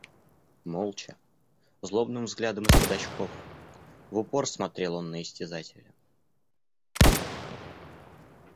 Молча, злобным взглядом из-под очков в упор смотрел он на истязателя.